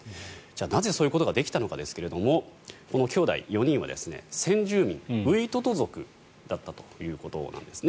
なぜ、そういうことができたのかですがこのきょうだい４人は先住民ウイトト族だったということなんです。